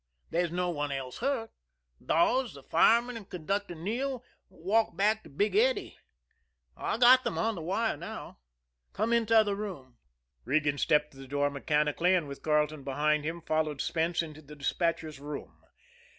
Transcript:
There's no one else hurt. Dawes, the fireman, and Conductor Neale walked back to Big Eddy. I've got them on the wire now. Come into the other room." Regan stepped to the door mechanically, and, with Carleton behind him, followed Spence into the despatchers' room.